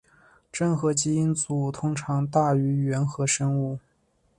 真核基因组通常大于原核生物。